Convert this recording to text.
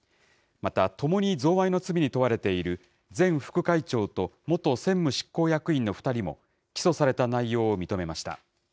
また、ともに贈賄の罪に問われている前副会長と元専務執行役員の２人も起訴された内容を認めました。